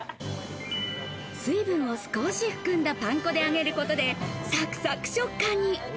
水分を少し含んだパン粉で揚げることでサクサク食感に。